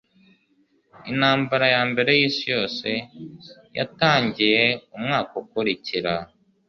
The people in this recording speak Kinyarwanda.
Intambara ya Mbere y'Isi Yose yatangiye umwaka ukurikira.